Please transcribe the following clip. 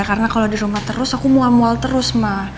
karena kalau di rumah terus aku mual mual terus ma